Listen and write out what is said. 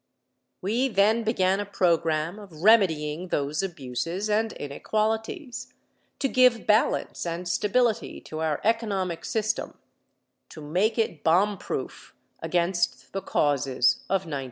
We then began a program of remedying those abuses and inequalities to give balance and stability to our economic system to make it bomb proof against the causes of 1929.